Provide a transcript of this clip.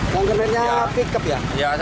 yang kiri pickup ya